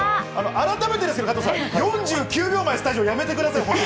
改めてですが、４９秒前スタジオ、やめてください。